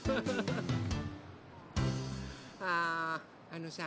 ああのさ